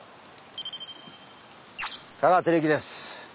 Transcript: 香川照之です。